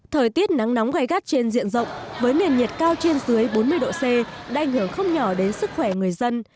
thời tiết nắng nóng gai gắt trên diện rộng với nền nhiệt cao trên dưới bốn mươi độ c đã ảnh hưởng không nhỏ đến sức khỏe người dân